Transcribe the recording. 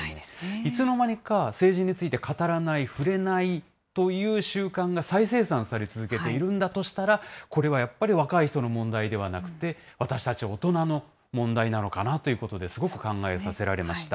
いつのまにか、政治について語らない、触れないという習慣が再生産され続けているんだとしたら、これはやっぱり若い人の問題ではなくて、私たち大人の問題なのかなということで、すごく考えさせられました。